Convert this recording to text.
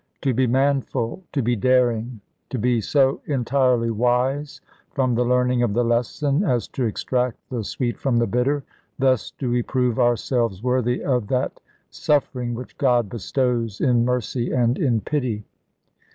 To be manful, to be daring, to be so entirely wise from the learning of the lesson as to extract the sweet from the bitter, thus do we prove ourselves worthy of that suffering which God bestows in mercy and in pity.